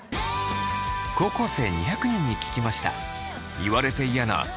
高校生２００人に聞きました。